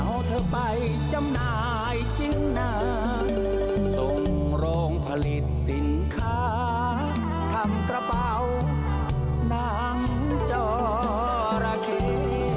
เอาเธอไปจำหน่ายจิ้งหน่าส่งโรงผลิตสินค้าทำกระเป๋านางจอหร่าเขียน